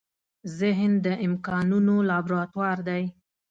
ذهن د امکانونو لابراتوار دی.